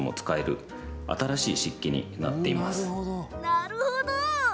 なるほど。